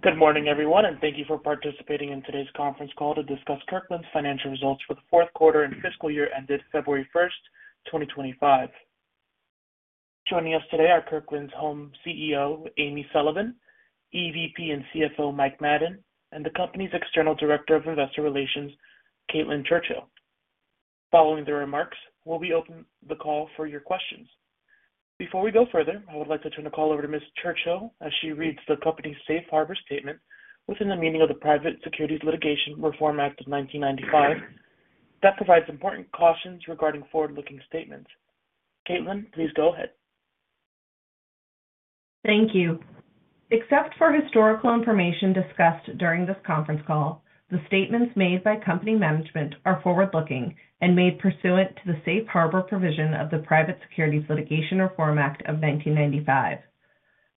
Good morning, everyone, and thank you for participating in today's conference call to discuss Kirkland's financial results for the fourth quarter and fiscal year ended February 1, 2025. Joining us today are Kirkland's Home CEO, Amy Sullivan, EVP and CFO, Mike Madden, and the company's External Director of Investor Relations, Caitlin Churchill. Following their remarks, we'll be opening the call for your questions. Before we go further, I would like to turn the call over to Ms. Churchill as she reads the company's safe harbor statement within the meaning of the Private Securities Litigation Reform Act of 1995 that provides important cautions regarding forward-looking statements. Caitlin, please go ahead. Thank you. Except for historical information discussed during this conference call, the statements made by company management are forward-looking and made pursuant to the safe harbor provision of the Private Securities Litigation Reform Act of 1995.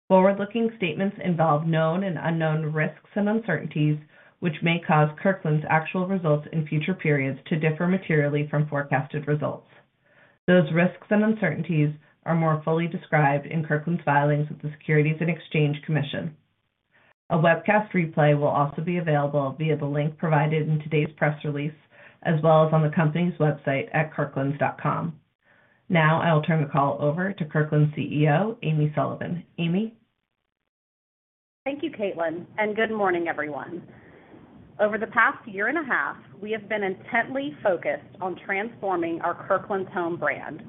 Forward-looking statements involve known and unknown risks and uncertainties, which may cause Kirkland's actual results in future periods to differ materially from forecasted results. Those risks and uncertainties are more fully described in Kirkland's filings with the Securities and Exchange Commission. A webcast replay will also be available via the link provided in today's press release, as well as on the company's website at kirklands.com. Now, I will turn the call over to Kirkland's CEO, Amy Sullivan. Amy. Thank you, Caitlin, and good morning, everyone. Over the past year and a half, we have been intently focused on transforming our Kirkland's Home brand.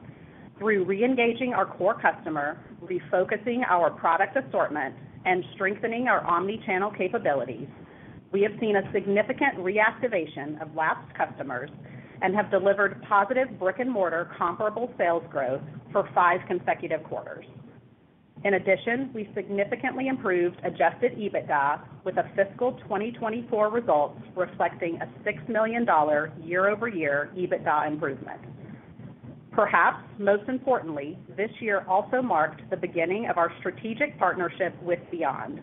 Through re-engaging our core customer, refocusing our product assortment, and strengthening our omnichannel capabilities, we have seen a significant reactivation of last customers and have delivered positive brick-and-mortar comparable sales growth for five consecutive quarters. In addition, we significantly improved adjusted EBITDA with a fiscal 2024 results reflecting a $6 million year-over-year EBITDA improvement. Perhaps most importantly, this year also marked the beginning of our strategic partnership with Beyond.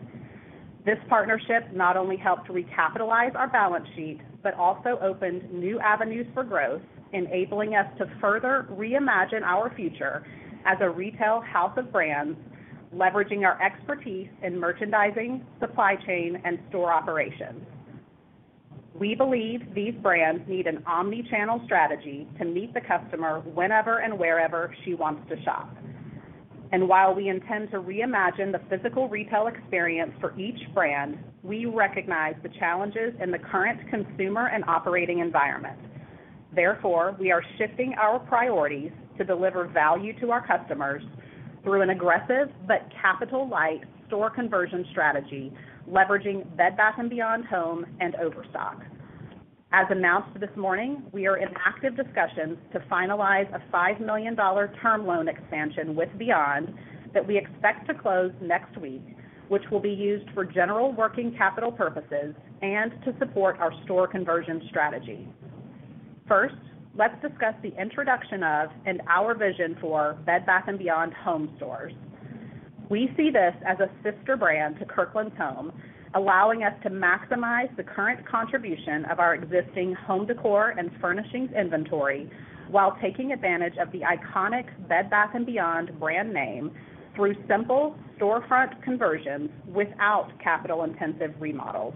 This partnership not only helped recapitalize our balance sheet but also opened new avenues for growth, enabling us to further reimagine our future as a retail house of brands, leveraging our expertise in merchandising, supply chain, and store operations. We believe these brands need an omnichannel strategy to meet the customer whenever and wherever she wants to shop. While we intend to reimagine the physical retail experience for each brand, we recognize the challenges in the current consumer and operating environment. Therefore, we are shifting our priorities to deliver value to our customers through an aggressive but capital-light store conversion strategy, leveraging Bed Bath & Beyond Home and Overstock. As announced this morning, we are in active discussions to finalize a $5 million term loan expansion with Beyond that we expect to close next week, which will be used for general working capital purposes and to support our store conversion strategy. First, let's discuss the introduction of and our vision for Bed Bath & Beyond Home Stores. We see this as a sister brand to Kirkland's Home, allowing us to maximize the current contribution of our existing home décor and furnishings inventory while taking advantage of the iconic Bed Bath & Beyond brand name through simple storefront conversions without capital-intensive remodels.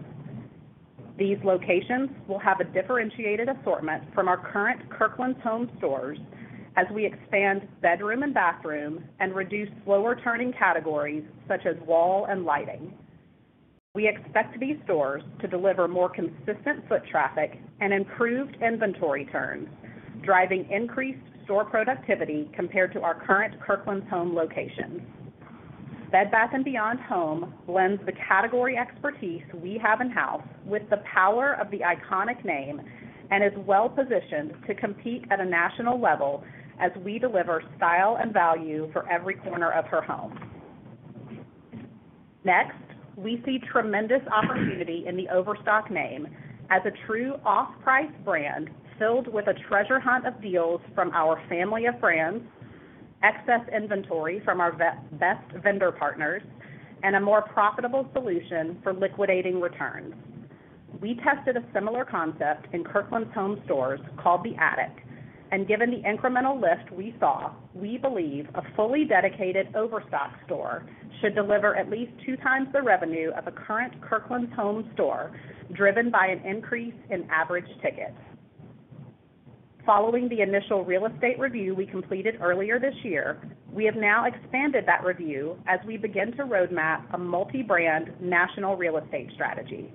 These locations will have a differentiated assortment from our current Kirkland's Home stores as we expand bedroom and bathroom and reduce slower-turning categories such as wall and lighting. We expect these stores to deliver more consistent foot traffic and improved inventory turns, driving increased store productivity compared to our current Kirkland's Home locations. Bed Bath & Beyond Home blends the category expertise we have in-house with the power of the iconic name and is well-positioned to compete at a national level as we deliver style and value for every corner of her home. Next, we see tremendous opportunity in the Overstock name as a true off-price brand filled with a treasure hunt of deals from our family of brands, excess inventory from our best vendor partners, and a more profitable solution for liquidating returns. We tested a similar concept in Kirkland's Home stores called the Attic, and given the incremental lift we saw, we believe a fully dedicated Overstock store should deliver at least two times the revenue of a current Kirkland's Home store driven by an increase in average tickets. Following the initial real estate review we completed earlier this year, we have now expanded that review as we begin to roadmap a multi-brand national real estate strategy.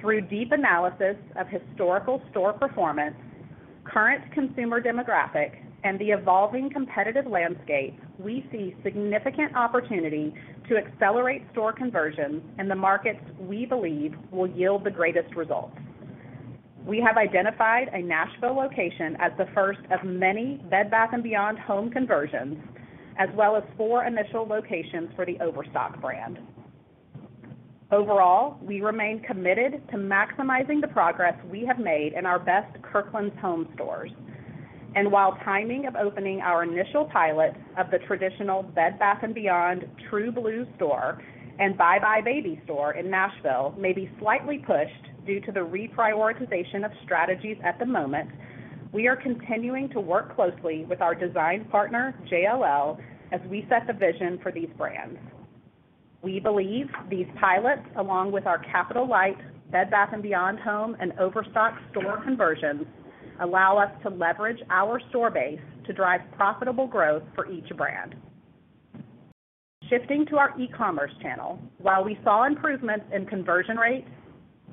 Through deep analysis of historical store performance, current consumer demographic, and the evolving competitive landscape, we see significant opportunity to accelerate store conversions in the markets we believe will yield the greatest results. We have identified a Nashville location as the first of many Bed Bath & Beyond Home conversions, as well as four initial locations for the Overstock brand. Overall, we remain committed to maximizing the progress we have made in our best Kirkland's Home stores. While timing of opening our initial pilot of the traditional Bed Bath & Beyond True Blue store and buybuy BABY store in Nashville may be slightly pushed due to the reprioritization of strategies at the moment, we are continuing to work closely with our design partner, JLL, as we set the vision for these brands. We believe these pilots, along with our capital-light Bed Bath & Beyond Home and Overstock store conversions, allow us to leverage our store base to drive profitable growth for each brand. Shifting to our e-commerce channel, while we saw improvements in conversion rates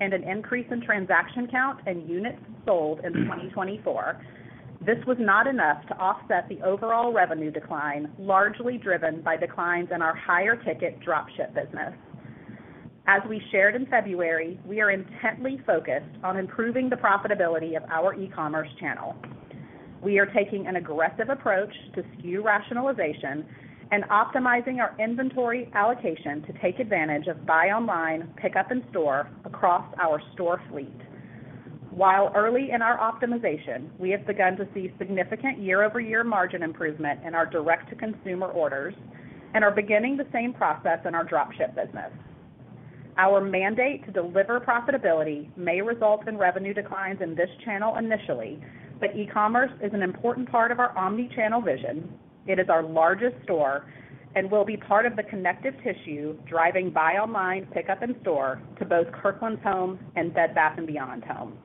and an increase in transaction count and units sold in 2024, this was not enough to offset the overall revenue decline largely driven by declines in our higher-ticket dropship business. As we shared in February, we are intently focused on improving the profitability of our e-commerce channel. We are taking an aggressive approach to SKU rationalization and optimizing our inventory allocation to take advantage of buy online, pick up in store across our store fleet. While early in our optimization, we have begun to see significant year-over-year margin improvement in our direct-to-consumer orders and are beginning the same process in our dropship business. Our mandate to deliver profitability may result in revenue declines in this channel initially, but e-commerce is an important part of our omnichannel vision. It is our largest store and will be part of the connective tissue driving buy online, pick up in store to both Kirkland's Home and Bed Bath & Beyond Home.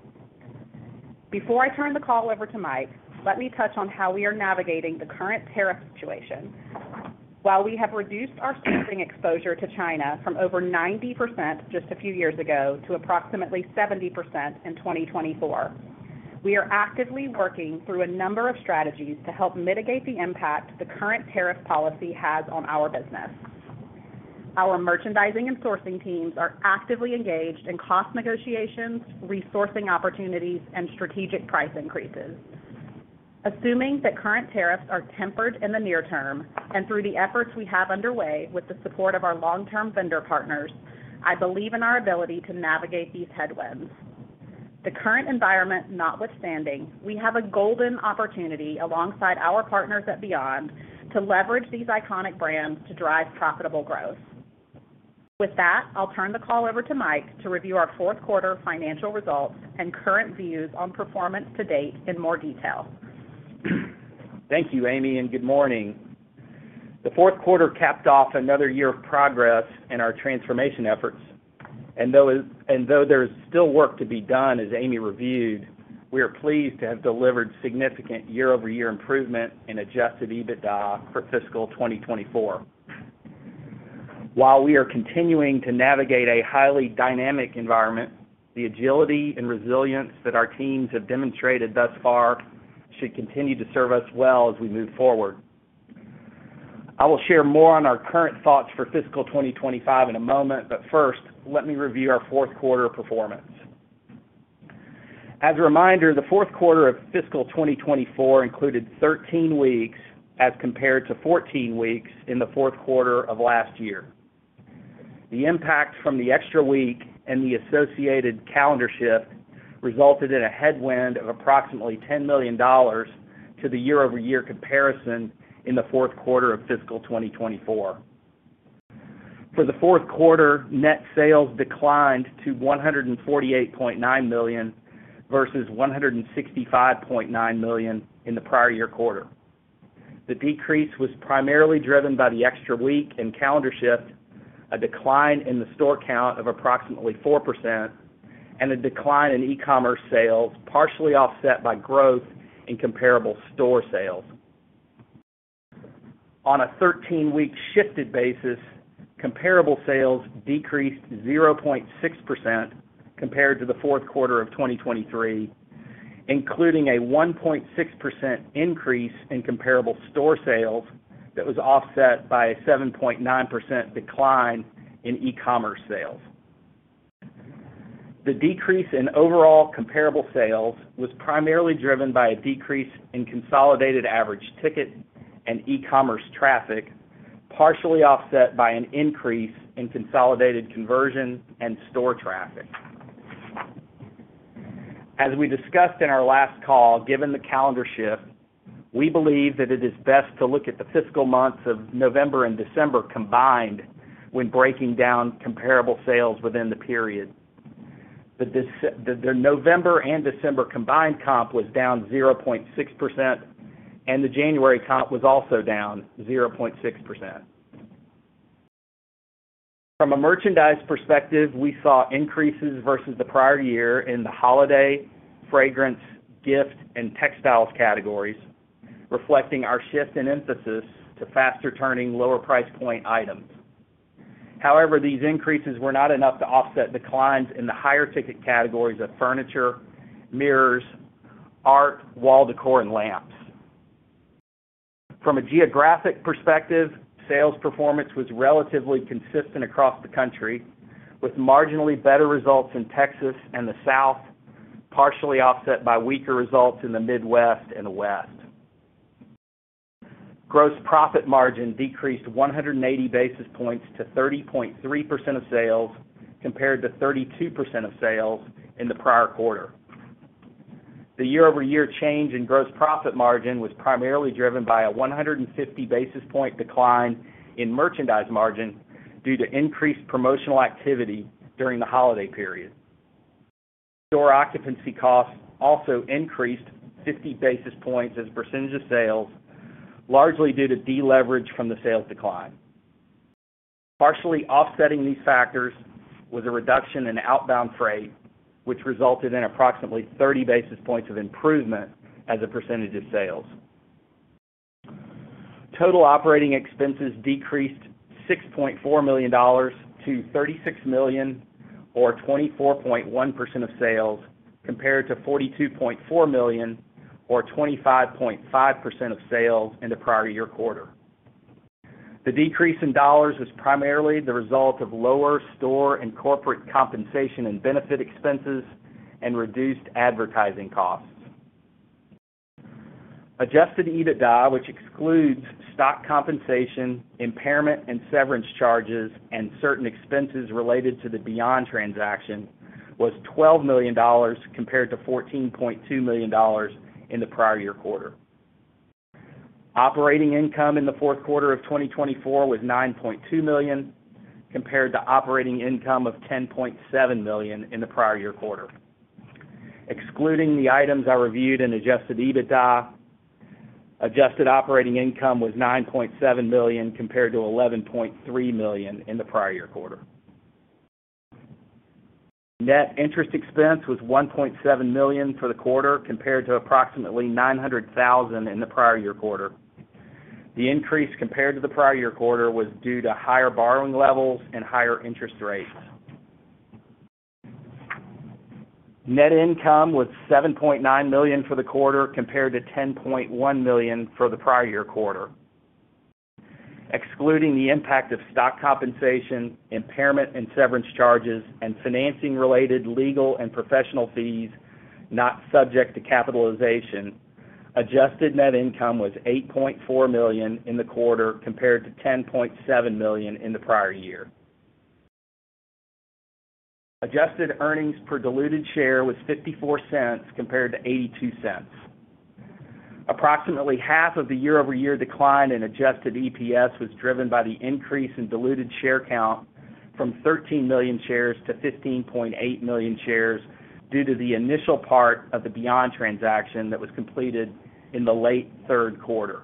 Before I turn the call over to Mike, let me touch on how we are navigating the current tariff situation. While we have reduced our sourcing exposure to China from over 90% just a few years ago to approximately 70% in 2024, we are actively working through a number of strategies to help mitigate the impact the current tariff policy has on our business. Our merchandising and sourcing teams are actively engaged in cost negotiations, resourcing opportunities, and strategic price increases. Assuming that current tariffs are tempered in the near term and through the efforts we have underway with the support of our long-term vendor partners, I believe in our ability to navigate these headwinds. The current environment notwithstanding, we have a golden opportunity alongside our partners at Beyond to leverage these iconic brands to drive profitable growth. With that, I'll turn the call over to Mike to review our fourth quarter financial results and current views on performance to date in more detail. Thank you, Amy, and good morning. The fourth quarter capped off another year of progress in our transformation efforts. Though there's still work to be done, as Amy reviewed, we are pleased to have delivered significant year-over-year improvement in adjusted EBITDA for fiscal 2024. While we are continuing to navigate a highly dynamic environment, the agility and resilience that our teams have demonstrated thus far should continue to serve us well as we move forward. I will share more on our current thoughts for fiscal 2025 in a moment. First, let me review our fourth quarter performance. As a reminder, the fourth quarter of fiscal 2024 included 13 weeks as compared to 14 weeks in the fourth quarter of last year. The impact from the extra week and the associated calendar shift resulted in a headwind of approximately $10 million to the year-over-year comparison in the fourth quarter of fiscal 2024. For the fourth quarter, net sales declined to $148.9 million versus $165.9 million in the prior year quarter. The decrease was primarily driven by the extra week and calendar shift, a decline in the store count of approximately 4%, and a decline in e-commerce sales, partially offset by growth in comparable store sales. On a 13-week shifted basis, comparable sales decreased 0.6% compared to the fourth quarter of 2023, including a 1.6% increase in comparable store sales that was offset by a 7.9% decline in e-commerce sales. The decrease in overall comparable sales was primarily driven by a decrease in consolidated average ticket and e-commerce traffic, partially offset by an increase in consolidated conversion and store traffic. As we discussed in our last call, given the calendar shift, we believe that it is best to look at the fiscal months of November and December combined when breaking down comparable sales within the period. The November and December combined comp was down 0.6%, and the January comp was also down 0.6%. From a merchandise perspective, we saw increases versus the prior year in the holiday, fragrance, gift, and textiles categories, reflecting our shift in emphasis to faster-turning, lower-price-point items. However, these increases were not enough to offset declines in the higher-ticket categories of furniture, mirrors, art, wall decor, and lamps. From a geographic perspective, sales performance was relatively consistent across the country, with marginally better results in Texas and the South, partially offset by weaker results in the Midwest and the West. Gross profit margin decreased 180 basis points to 30.3% of sales compared to 32% of sales in the prior quarter. The year-over-year change in gross profit margin was primarily driven by a 150 basis point decline in merchandise margin due to increased promotional activity during the holiday period. Store occupancy costs also increased 50 basis points as a percentage of sales, largely due to deleverage from the sales decline. Partially offsetting these factors was a reduction in outbound freight, which resulted in approximately 30 basis points of improvement as a percentage of sales. Total operating expenses decreased $6.4 million to $36 million, or 24.1% of sales, compared to $42.4 million, or 25.5% of sales in the prior year quarter. The decrease in dollars was primarily the result of lower store and corporate compensation and benefit expenses and reduced advertising costs. Adjusted EBITDA, which excludes stock compensation, impairment, and severance charges, and certain expenses related to the Beyond transaction, was $12 million compared to $14.2 million in the prior year quarter. Operating income in the fourth quarter of 2024 was $9.2 million, compared to operating income of $10.7 million in the prior year quarter. Excluding the items I reviewed in adjusted EBITDA, adjusted operating income was $9.7 million compared to $11.3 million in the prior year quarter. Net interest expense was $1.7 million for the quarter, compared to approximately $900,000 in the prior year quarter. The increase compared to the prior year quarter was due to higher borrowing levels and higher interest rates. Net income was $7.9 million for the quarter, compared to $10.1 million for the prior year quarter. Excluding the impact of stock compensation, impairment, and severance charges, and financing-related legal and professional fees not subject to capitalization, adjusted net income was $8.4 million in the quarter, compared to $10.7 million in the prior year. Adjusted earnings per diluted share was $0.54, compared to $0.82. Approximately half of the year-over-year decline in adjusted EPS was driven by the increase in diluted share count from 13 million shares to 15.8 million shares due to the initial part of the Beyond transaction that was completed in the late third quarter.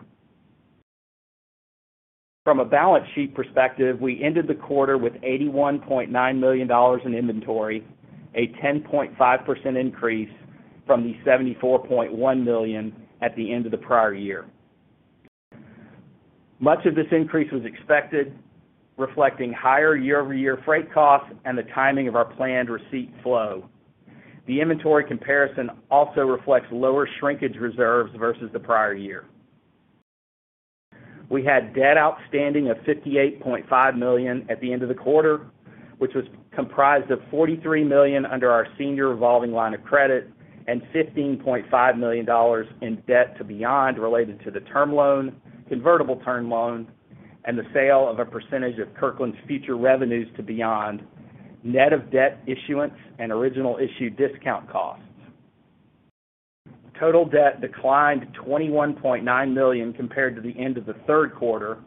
From a balance sheet perspective, we ended the quarter with $81.9 million in inventory, a 10.5% increase from the $74.1 million at the end of the prior year. Much of this increase was expected, reflecting higher year-over-year freight costs and the timing of our planned receipt flow. The inventory comparison also reflects lower shrinkage reserves versus the prior year. We had debt outstanding of $58.5 million at the end of the quarter, which was comprised of $43 million under our senior revolving line of credit and $15.5 million in debt to Beyond related to the term loan, convertible term loan, and the sale of a percentage of Kirkland's future revenues to Beyond, net of debt issuance and original issue discount costs. Total debt declined $21.9 million compared to the end of the third quarter,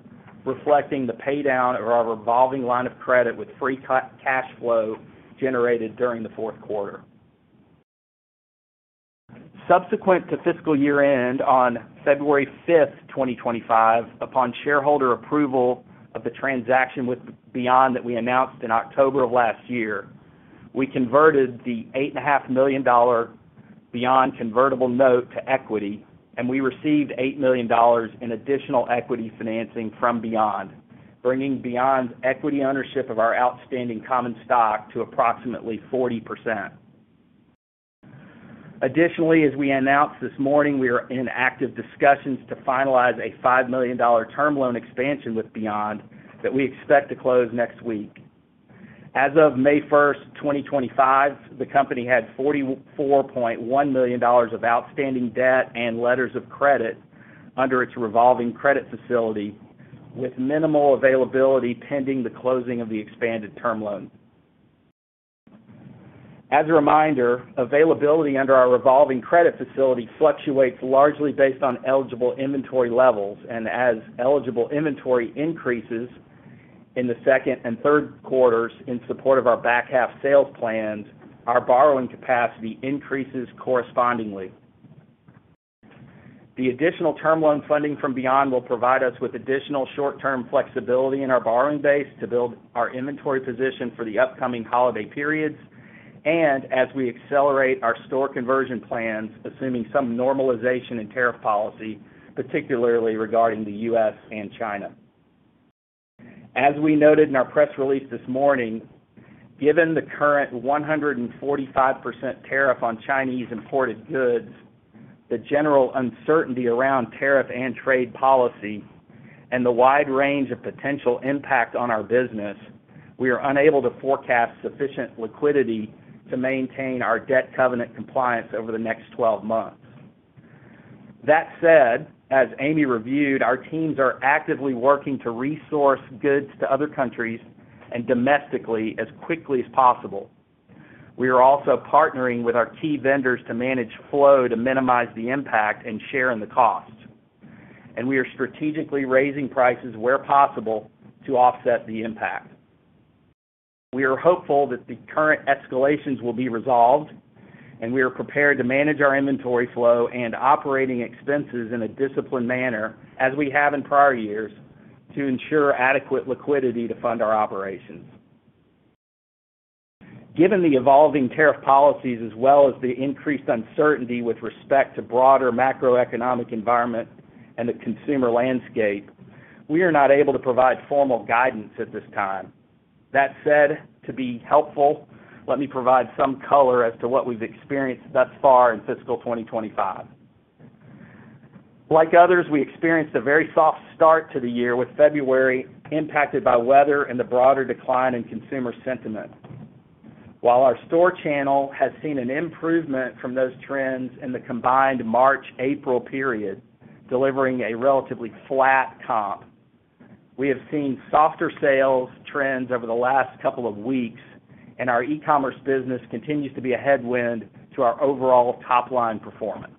reflecting the paydown of our revolving line of credit with free cash flow generated during the fourth quarter. Subsequent to fiscal year-end on February 5th, 2025, upon shareholder approval of the transaction with Beyond that we announced in October of last year, we converted the $8.5 million Beyond convertible note to equity, and we received $8 million in additional equity financing from Beyond, bringing Beyond equity ownership of our outstanding common stock to approximately 40%. Additionally, as we announced this morning, we are in active discussions to finalize a $5 million term loan expansion with Beyond that we expect to close next week. As of May 1st, 2025, the company had $44.1 million of outstanding debt and letters of credit under its revolving credit facility, with minimal availability pending the closing of the expanded term loan. As a reminder, availability under our revolving credit facility fluctuates largely based on eligible inventory levels, and as eligible inventory increases in the second and third quarters in support of our back-half sales plans, our borrowing capacity increases correspondingly. The additional term loan funding from Beyond will provide us with additional short-term flexibility in our borrowing base to build our inventory position for the upcoming holiday periods and as we accelerate our store conversion plans, assuming some normalization in tariff policy, particularly regarding the U.S. and China. As we noted in our press release this morning, given the current 145% tariff on Chinese imported goods, the general uncertainty around tariff and trade policy, and the wide range of potential impact on our business, we are unable to forecast sufficient liquidity to maintain our debt covenant compliance over the next 12 months. That said, as Amy reviewed, our teams are actively working to resource goods to other countries and domestically as quickly as possible. We are also partnering with our key vendors to manage flow to minimize the impact and share in the costs. We are strategically raising prices where possible to offset the impact. We are hopeful that the current escalations will be resolved, and we are prepared to manage our inventory flow and operating expenses in a disciplined manner, as we have in prior years, to ensure adequate liquidity to fund our operations. Given the evolving tariff policies as well as the increased uncertainty with respect to broader macroeconomic environment and the consumer landscape, we are not able to provide formal guidance at this time. That said, to be helpful, let me provide some color as to what we've experienced thus far in fiscal 2025. Like others, we experienced a very soft start to the year, with February impacted by weather and the broader decline in consumer sentiment. While our store channel has seen an improvement from those trends in the combined March-April period, delivering a relatively flat comp, we have seen softer sales trends over the last couple of weeks, and our e-commerce business continues to be a headwind to our overall top-line performance.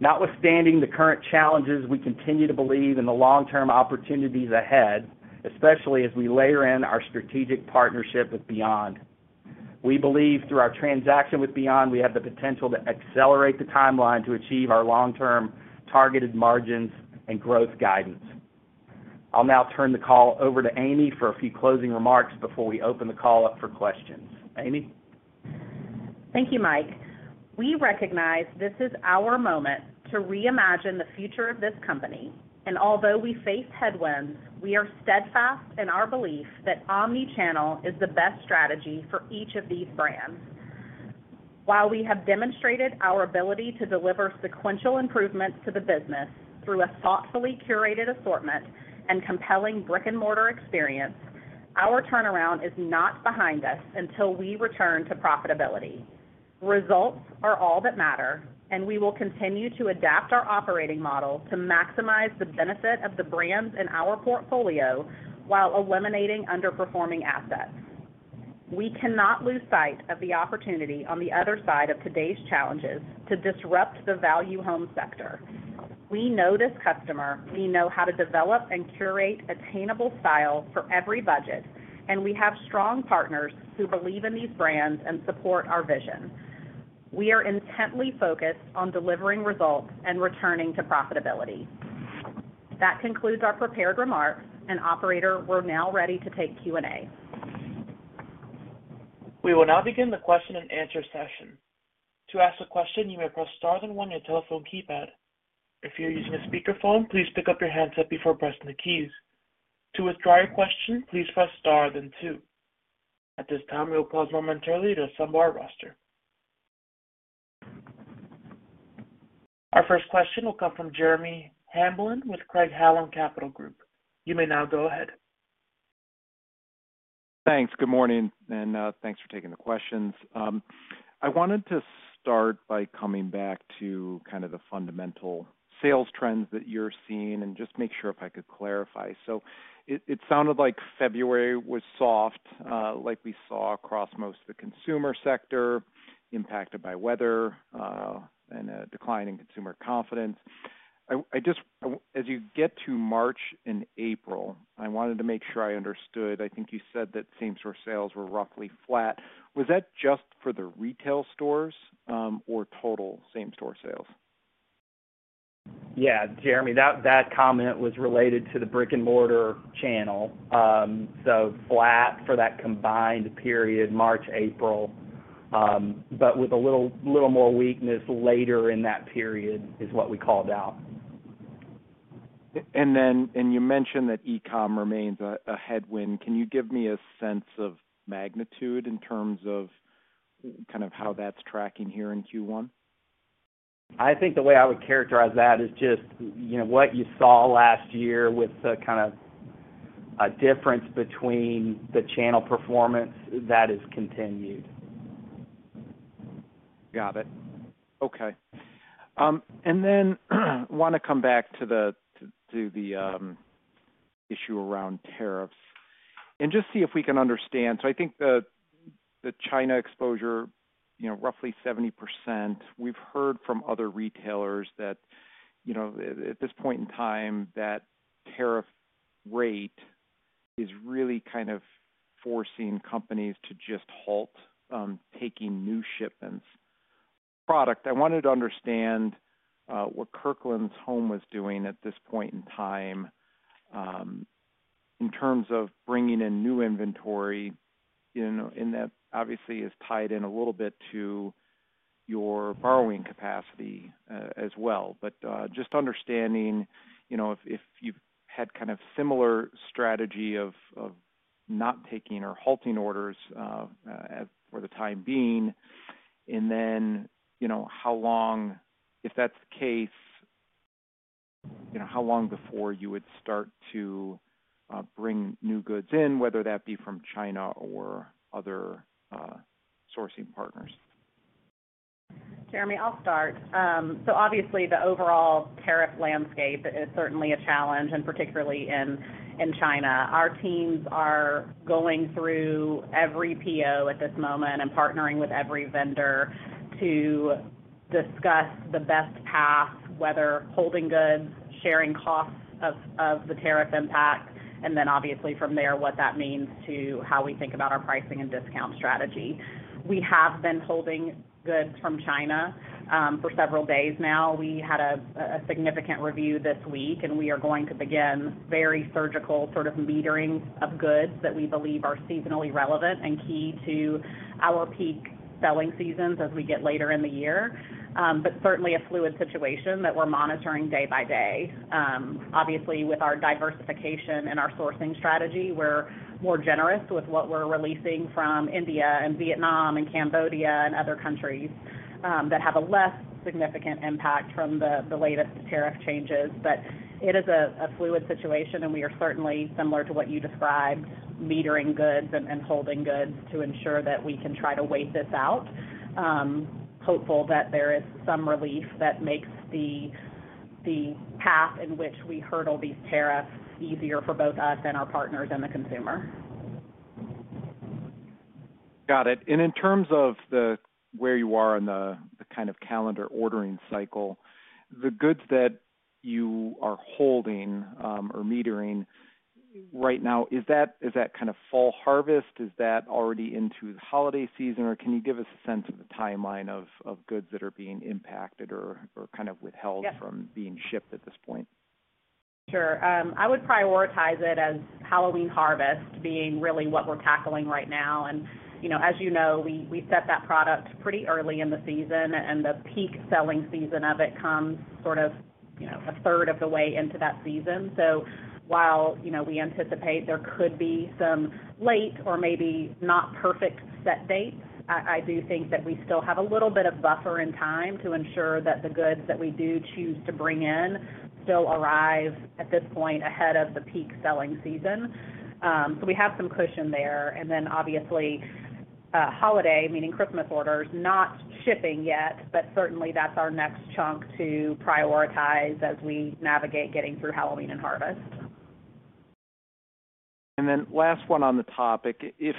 Notwithstanding the current challenges, we continue to believe in the long-term opportunities ahead, especially as we layer in our strategic partnership with Beyond. We believe through our transaction with Beyond, we have the potential to accelerate the timeline to achieve our long-term targeted margins and growth guidance. I'll now turn the call over to Amy for a few closing remarks before we open the call up for questions. Amy. Thank you, Mike. We recognize this is our moment to reimagine the future of this company. Although we face headwinds, we are steadfast in our belief that omnichannel is the best strategy for each of these brands. While we have demonstrated our ability to deliver sequential improvements to the business through a thoughtfully curated assortment and compelling brick-and-mortar experience, our turnaround is not behind us until we return to profitability. Results are all that matter, and we will continue to adapt our operating model to maximize the benefit of the brands in our portfolio while eliminating underperforming assets. We cannot lose sight of the opportunity on the other side of today's challenges to disrupt the value home sector. We know this customer. We know how to develop and curate attainable styles for every budget, and we have strong partners who believe in these brands and support our vision. We are intently focused on delivering results and returning to profitability. That concludes our prepared remarks, and Operator, we're now ready to take Q&A. We will now begin the question-and-answer session. To ask a question, you may press star then one on your telephone keypad. If you're using a speakerphone, please pick up your handset before pressing the keys. To withdraw your question, please press star then two. At this time, we will pause momentarily to assemble our roster. Our first question will come from Jeremy Hamblin with Craig-Hallum Capital Group. You may now go ahead. Thanks. Good morning, and thanks for taking the questions. I wanted to start by coming back to kind of the fundamental sales trends that you're seeing and just make sure if I could clarify. It sounded like February was soft, like we saw across most of the consumer sector, impacted by weather and a decline in consumer confidence. As you get to March and April, I wanted to make sure I understood. I think you said that same-store sales were roughly flat. Was that just for the retail stores or total same-store sales? Yeah, Jeremy, that comment was related to the brick-and-mortar channel. Flat for that combined period, March-April, but with a little more weakness later in that period is what we called out. You mentioned that e-com remains a headwind. Can you give me a sense of magnitude in terms of kind of how that's tracking here in Q1? I think the way I would characterize that is just what you saw last year with the kind of difference between the channel performance that has continued. Got it. Okay. I want to come back to the issue around tariffs and just see if we can understand. I think the China exposure, roughly 70%. We've heard from other retailers that at this point in time, that tariff rate is really kind of forcing companies to just halt taking new shipments of product. I wanted to understand what Kirkland's Home was doing at this point in time in terms of bringing in new inventory, and that obviously is tied in a little bit to your borrowing capacity as well. Just understanding if you've had kind of similar strategy of not taking or halting orders for the time being, and then how long, if that's the case, how long before you would start to bring new goods in, whether that be from China or other sourcing partners. Jeremy, I'll start. Obviously, the overall tariff landscape is certainly a challenge, and particularly in China. Our teams are going through every PO at this moment and partnering with every vendor to discuss the best path, whether holding goods, sharing costs of the tariff impact, and then obviously from there what that means to how we think about our pricing and discount strategy. We have been holding goods from China for several days now. We had a significant review this week, and we are going to begin very surgical sort of metering of goods that we believe are seasonally relevant and key to our peak selling seasons as we get later in the year. Certainly a fluid situation that we're monitoring day by day. Obviously, with our diversification and our sourcing strategy, we're more generous with what we're releasing from India and Vietnam and Cambodia and other countries that have a less significant impact from the latest tariff changes. It is a fluid situation, and we are certainly similar to what you described, metering goods and holding goods to ensure that we can try to wait this out, hopeful that there is some relief that makes the path in which we hurdle these tariffs easier for both us and our partners and the consumer. Got it. In terms of where you are on the kind of calendar ordering cycle, the goods that you are holding or metering right now, is that kind of fall harvest? Is that already into the holiday season? Can you give us a sense of the timeline of goods that are being impacted or kind of withheld from being shipped at this point? Sure. I would prioritize it as Halloween harvest being really what we're tackling right now. As you know, we set that product pretty early in the season, and the peak selling season of it comes sort of a third of the way into that season. While we anticipate there could be some late or maybe not perfect set dates, I do think that we still have a little bit of buffer in time to ensure that the goods that we do choose to bring in still arrive at this point ahead of the peak selling season. We have some cushion there. Obviously, holiday, meaning Christmas orders, not shipping yet, but certainly that's our next chunk to prioritize as we navigate getting through Halloween and harvest. Last one on the topic. If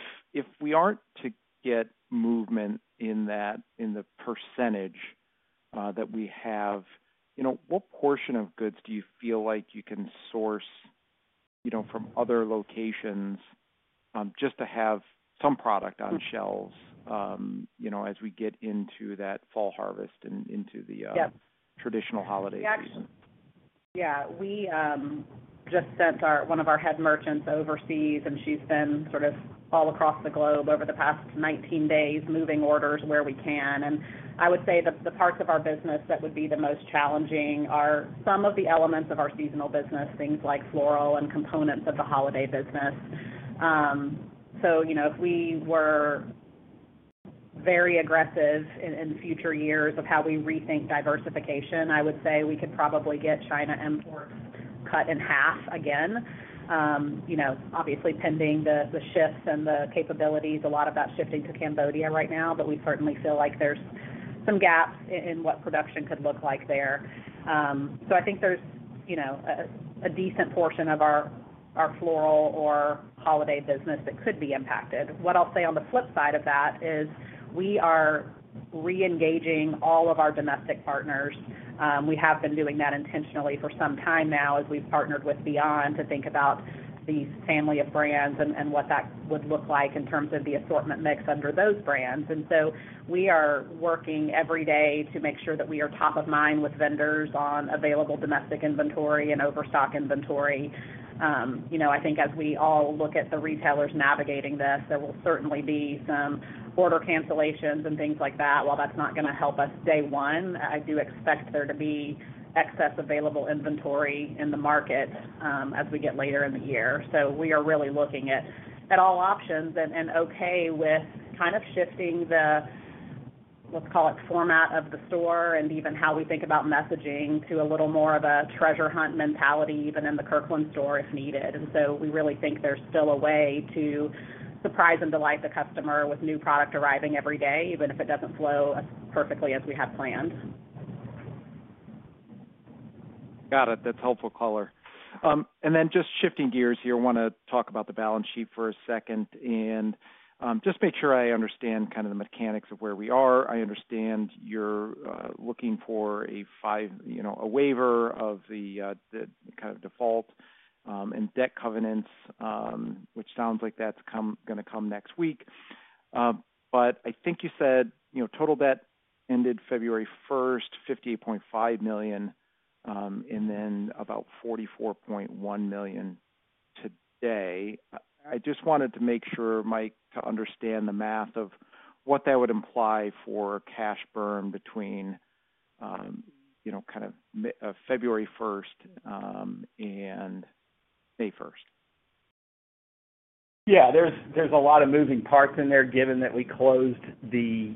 we aren't to get movement in the percentage that we have, what portion of goods do you feel like you can source from other locations just to have some product on shelves as we get into that fall harvest and into the traditional holiday season? Yeah. We just sent one of our head merchants overseas, and she's been sort of all across the globe over the past 19 days moving orders where we can. I would say that the parts of our business that would be the most challenging are some of the elements of our seasonal business, things like floral and components of the holiday business. If we were very aggressive in future years of how we rethink diversification, I would say we could probably get China imports cut in half again, obviously pending the shifts and the capabilities. A lot of that's shifting to Cambodia right now, but we certainly feel like there's some gaps in what production could look like there. I think there's a decent portion of our floral or holiday business that could be impacted. What I'll say on the flip side of that is we are reengaging all of our domestic partners. We have been doing that intentionally for some time now as we've partnered with Beyond to think about these family of brands and what that would look like in terms of the assortment mix under those brands. We are working every day to make sure that we are top of mind with vendors on available domestic inventory and overstock inventory. I think as we all look at the retailers navigating this, there will certainly be some order cancellations and things like that. While that's not going to help us day one, I do expect there to be excess available inventory in the market as we get later in the year. We are really looking at all options and okay with kind of shifting the, let's call it, format of the store and even how we think about messaging to a little more of a treasure hunt mentality, even in the Kirkland's store if needed. We really think there's still a way to surprise and delight the customer with new product arriving every day, even if it doesn't flow perfectly as we have planned. Got it. That's helpful color. Just shifting gears here, I want to talk about the balance sheet for a second and just make sure I understand kind of the mechanics of where we are. I understand you're looking for a five waiver of the kind of default and debt covenants, which sounds like that's going to come next week. I think you said total debt ended February 1st $58.5 million, and then about $44.1 million today. I just wanted to make sure, Mike, to understand the math of what that would imply for cash burn between February 1st and May 1st. Yeah. There's a lot of moving parts in there, given that we closed the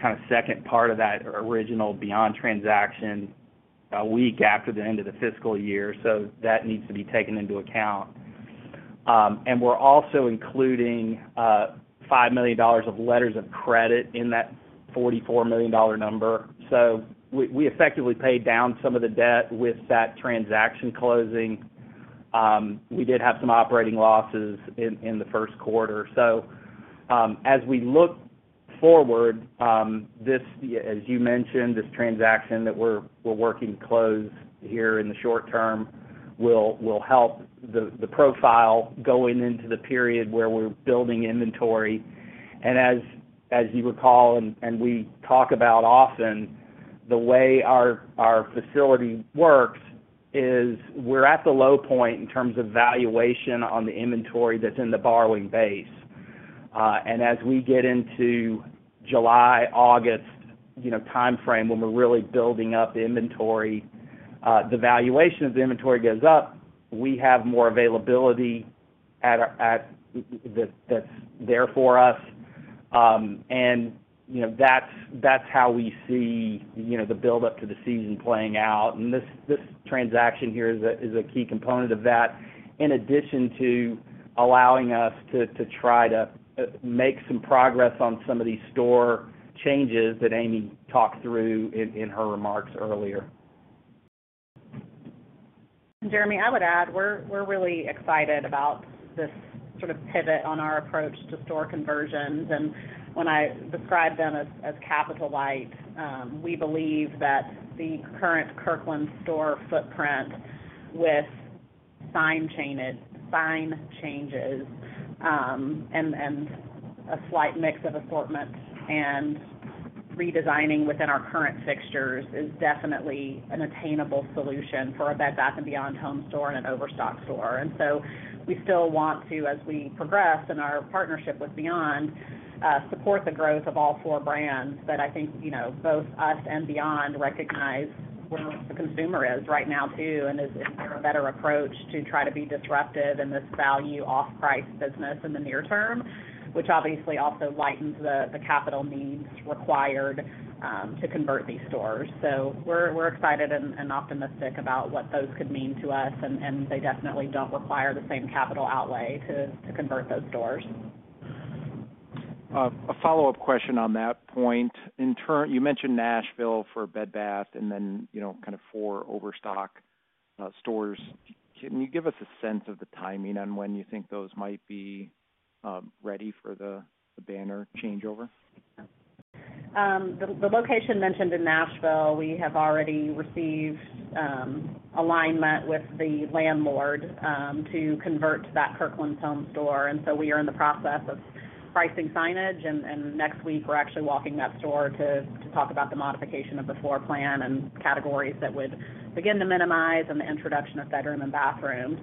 kind of second part of that original Beyond transaction a week after the end of the fiscal year. That needs to be taken into account. We're also including $5 million of letters of credit in that $44 million number. We effectively paid down some of the debt with that transaction closing. We did have some operating losses in the first quarter. As we look forward, as you mentioned, this transaction that we're working to close here in the short term will help the profile going into the period where we're building inventory. As you recall, and we talk about often, the way our facility works is we're at the low point in terms of valuation on the inventory that's in the borrowing base. As we get into the July, August timeframe when we're really building up inventory, the valuation of the inventory goes up. We have more availability that's there for us. That's how we see the build-up to the season playing out. This transaction here is a key component of that, in addition to allowing us to try to make some progress on some of these store changes that Amy talked through in her remarks earlier. Jeremy, I would add we're really excited about this sort of pivot on our approach to store conversions. When I describe them as capital-light, we believe that the current Kirkland's store footprint with sign changes and a slight mix of assortment and redesigning within our current fixtures is definitely an attainable solution for a Bed Bath & Beyond Home store and an Overstock store. We still want to, as we progress in our partnership with Beyond, support the growth of all four brands. I think both us and Beyond recognize where the consumer is right now too, and is there a better approach to try to be disruptive in this value-off-price business in the near term, which obviously also lightens the capital needs required to convert these stores. We are excited and optimistic about what those could mean to us, and they definitely do not require the same capital outlay to convert those stores. A follow-up question on that point. You mentioned Nashville for Bed Bath and then kind of four Overstock stores. Can you give us a sense of the timing on when you think those might be ready for the banner changeover? The location mentioned in Nashville, we have already received alignment with the landlord to convert to that Kirkland's Home store. We are in the process of pricing signage. Next week, we're actually walking that store to talk about the modification of the floor plan and categories that would begin to minimize and the introduction of bedroom and bathroom.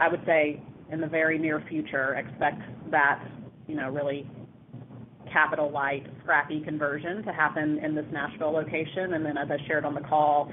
I would say in the very near future, expect that really capital-light scrappy conversion to happen in this Nashville location. As I shared on the call,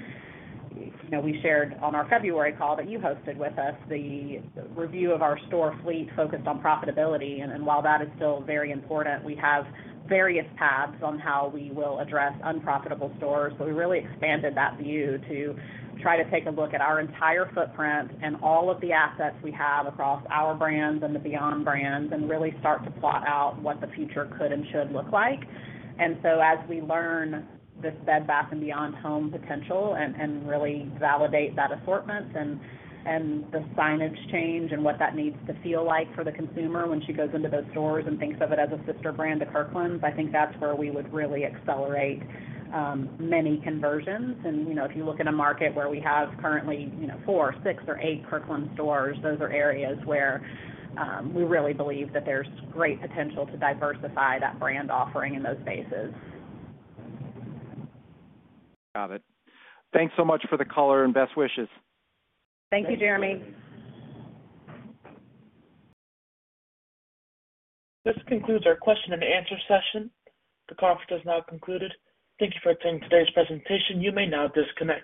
we shared on our February call that you hosted with us the review of our store fleet focused on profitability. While that is still very important, we have various paths on how we will address unprofitable stores. We really expanded that view to try to take a look at our entire footprint and all of the assets we have across our brands and the Beyond brands and really start to plot out what the future could and should look like. As we learn this Bed Bath & Beyond Home potential and really validate that assortment and the signage change and what that needs to feel like for the consumer when she goes into those stores and thinks of it as a sister brand to Kirkland, I think that's where we would really accelerate many conversions. If you look at a market where we have currently four or six or eight Kirkland's stores, those are areas where we really believe that there's great potential to diversify that brand offering in those spaces. Got it. Thanks so much for the color and best wishes. Thank you, Jeremy. This concludes our question and answer session. The conference is now concluded. Thank you for attending today's presentation. You may now disconnect.